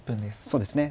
そうですね